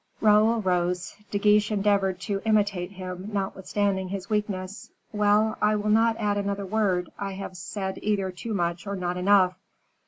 Raoul rose; De Guiche endeavored to imitate him, notwithstanding his weakness. "Well, I will not add another word: I have said either too much or not enough.